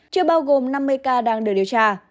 chưa bao gồm năm mươi ca đang được điều tra